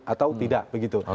atau tidak begitu